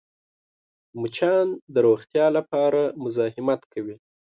مچان د روغتیا لپاره مزاحمت کوي